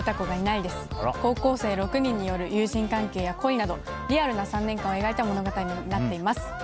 高校生６人による友人関係や恋などリアルな３年間を描いた物語になっています。